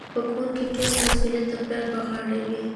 په کور کي ټول مسوليت د پلار پر غاړه وي.